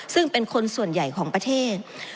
ซึ่งเป็นคนส่วนใหญ่ของประเทศ